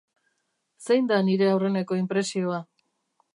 Zein da nire aurreneko inpresioa?